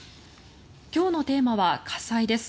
今日のテーマは火災です。